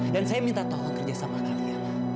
dan saya minta tolong kerjasama kalian